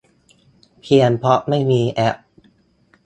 เพียงเพราะไม่มีแอป